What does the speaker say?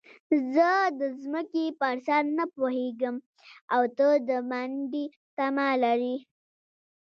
زه د ځمکې پر سر نه پوهېږم او ته د منډې تمه لرې.